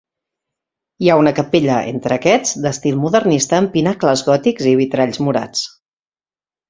Hi ha una capella, entre aquests, d'estil modernista amb pinacles gòtics i vitralls morats.